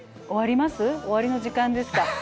終わりの時間ですか。